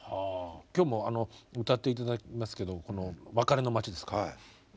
今日も歌っていただきますけどこの「別れの街」ですか。